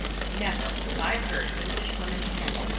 Never have I heard English women handled as M.